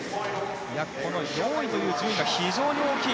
この４位という順位が非常に大きい。